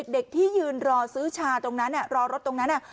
เด็กที่ยืนรอซื้อชาตรงนั้นรอรถตรงนั้น